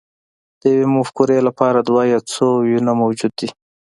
د یوې مفکورې لپاره دوه یا څو ویونه موجود وي